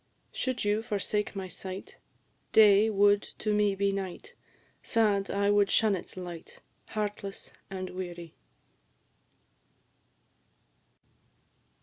Should you forsake my sight, Day would to me be night; Sad, I would shun its light, Heartless and weary.